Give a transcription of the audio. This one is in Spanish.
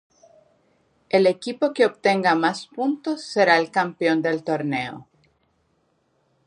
El equipo que obtenga más puntos será el campeón del torneo.